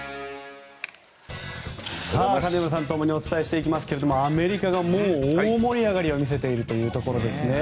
金村さんとともにお伝えしていきますけどもアメリカがもう大盛り上がりを見せているというところですね。